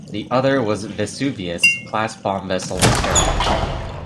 The other was the "Vesuvius"-class bomb vessel "Terror".